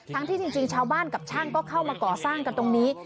ที่จริงชาวบ้านกับช่างก็เข้ามาก่อสร้างกันตรงนี้